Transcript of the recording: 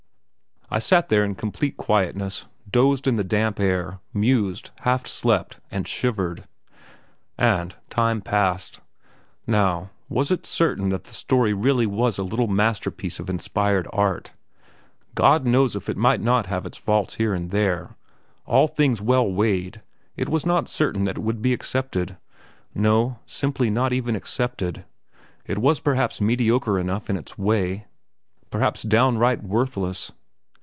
I sat there in complete quietness, dozed in the damp air, mused, half slept and shivered. And time passed. Now, was it certain that the story really was a little masterpiece of inspired art? God knows if it might not have its faults here and there. All things well weighed, it was not certain that it would be accepted; no, simply not even accepted. It was perhaps mediocre enough in its way, perhaps downright worthless.